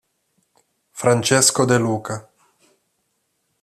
Francesco De Luca